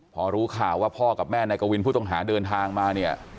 พอรู้ข่าวว่าพ่อกับแม่นายกวินผู้ต้องหาเดินทางมาเนี่ย